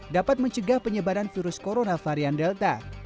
dapat mencegah penyebaran virus corona varian delta